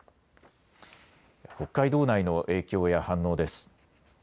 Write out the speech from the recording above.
北海道内の影響や反応です。